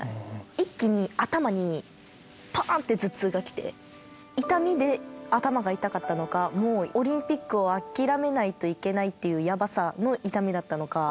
一気に頭にぽーんって頭痛がきて、痛みで頭が痛かったのか、もうオリンピックを諦めないといけないっていうやばさの痛みだったのか。